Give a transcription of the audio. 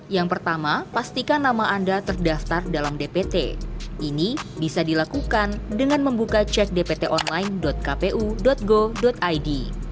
yang pertama pastikan nama anda terdaftar dalam dpt ini bisa dilakukan dengan membuka cek dpt online kpu go id